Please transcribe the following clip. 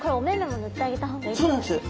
そうなんです。